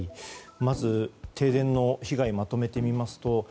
まず停電の被害をまとめてみますと